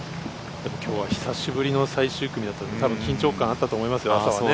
きょうは久しぶりの最終組なので緊張感あったと思いますよ、朝はね。